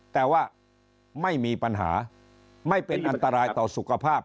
แต่ว่าไม่มีปัญหาไม่เป็นอันตรายต่อสุขภาพ